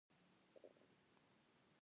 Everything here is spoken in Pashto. د زړه بدوالي لپاره د لیمو پوستکی بوی کړئ